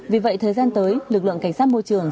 vì vậy thời gian tới lực lượng cảnh sát môi trường